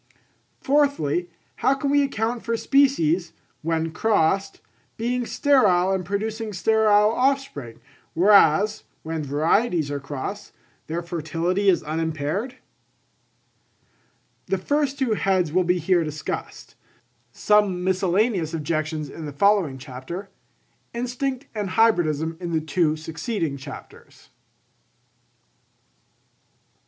Fourthly, how can we account for species, when crossed, being sterile and producing sterile offspring, whereas, when varieties are crossed, their fertility is unimpaired? The two first heads will be here discussed; some miscellaneous objections in the following chapter; Instinct and Hybridism in the two succeeding chapters.